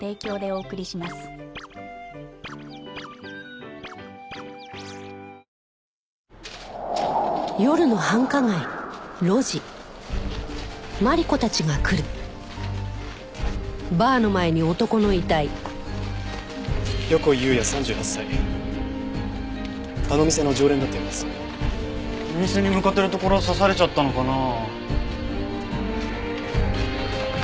お店に向かってるところを刺されちゃったのかな？